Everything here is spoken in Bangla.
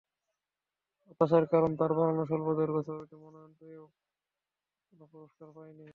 হতাশার কারণ, তাঁর বানানো স্বল্পদৈর্ঘ্য ছবিটি মনোনয়ন পেয়েও কোনো পুরস্কার পায়নি।